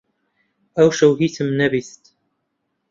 ئەو شەوە هیچم نەبیست.